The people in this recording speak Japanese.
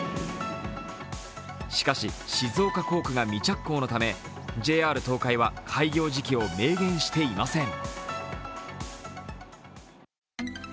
しかし、静岡工区が未着工のため、ＪＲ東海は開業時期を明言していません。